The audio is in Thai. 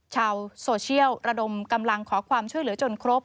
ชาวโซเชียลระดมกำลังขอความช่วยเหลือจนครบ